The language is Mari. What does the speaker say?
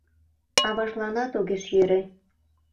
Аважланат огеш йӧрӧ...